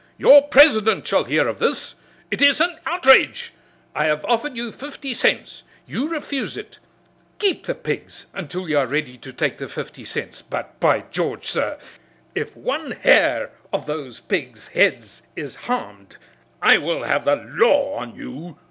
Your president shall hear of this! It is an outrage! I have offered you fifty cents. You refuse it! Keep the pigs until you are ready to take the fifty cents, but, by George, sir, if one hair of those pigs' heads is harmed I will have the law on you!"